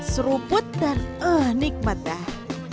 seruput dan eh nikmat dah